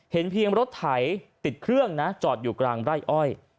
เพียงรถไถติดเครื่องนะจอดอยู่กลางไร่อ้อย